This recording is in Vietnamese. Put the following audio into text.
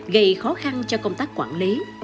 gây khó khăn cho công tác quản lý